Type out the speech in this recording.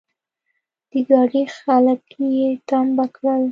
د ګاډي خلګ يې ټمبه کړل.